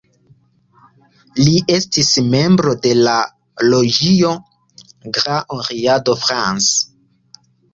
Li estis membro de la loĝio "Grand Orient de France".